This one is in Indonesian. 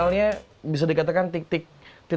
misalnya bisa dikatakan titik titik